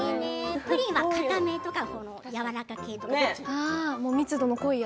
プリンは固めとかやわらか系？